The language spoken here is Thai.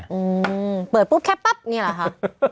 อืมเปิดปุ๊บแค่ปั๊บนี่แหละค่ะ